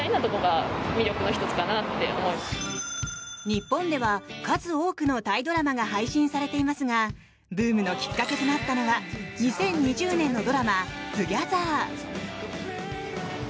日本では数多くのタイドラマが配信されていますがブームのきっかけとなったのは２０２０年のドラマ「２ｇｅｔｈｅｒ」。